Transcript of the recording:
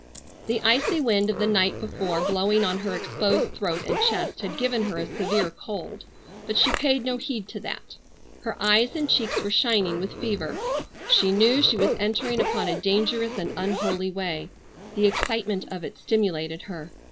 The icy wind of the night before blowing on her exposed throat and chest had given her a severe cold, but she paid no heed to that. Her eyes and cheeks were shining with fever. She knew she was entering upon a dangerous and unholy way. The excitement of it stimulated her.